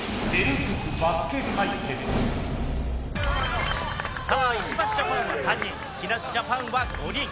ジャパンは３人木梨ジャパンは５人。